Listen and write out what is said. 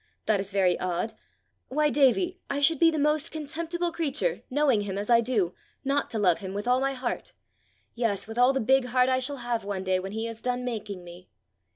That is very odd! Why, Davie, I should be the most contemptible creature, knowing him as I do, not to love him with all my heart yes, with all the big heart I shall have one day when he has done making me."